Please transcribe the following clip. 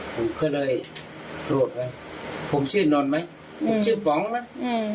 ผมก็เลยโกรธไว้ผมชื่อนนต์ไหมอืมชื่อป๋องนะอืม